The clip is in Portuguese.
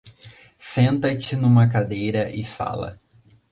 Senta-te numa cadeira e fala.